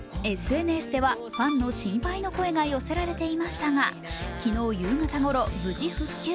ＳＮＳではファンの心配の声が寄せられていましたが、昨日夕方頃、無事復旧。